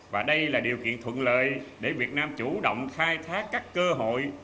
và đây là điều kiện thuận lợi để việt nam chủ động khai thác các cơ hội